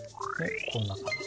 こんな感じだね。